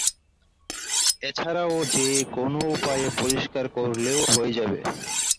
এছাড়াও যে কোনো উপায়ে পরিষ্কার করলেও হয়ে যাবে।